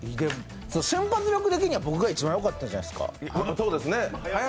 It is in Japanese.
瞬発力的には僕が一番よかったじゃないですか。